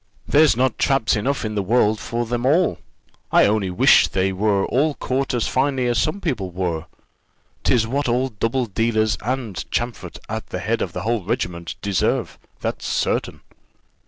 there's not traps enough in the world for them all; I only wish they were all caught as finely as some people were. "Tis what all double dealers, and Champfort at the head of the whole regiment, deserve that's certain."